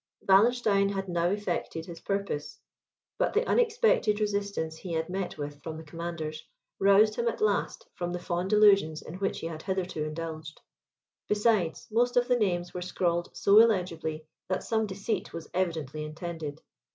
Wallenstein had now effected his purpose; but the unexpected resistance he had met with from the commanders roused him at last from the fond illusions in which he had hitherto indulged. Besides, most of the names were scrawled so illegibly, that some deceit was evidently intended.